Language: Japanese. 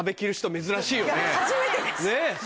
初めてです。